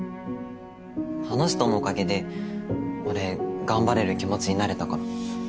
あの人のおかげで俺頑張れる気持ちになれたから。